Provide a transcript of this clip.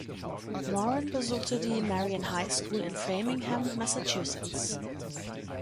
Moran besuchte die Marian High School in Framingham, Massachusetts.